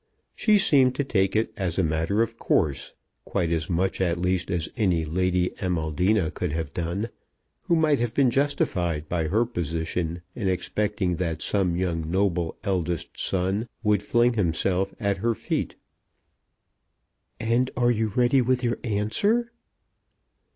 She seemed to take it as a matter of course, quite as much at least as any Lady Amaldina could have done, who might have been justified by her position in expecting that some young noble eldest son would fling himself at her feet. "And are you ready with your answer?"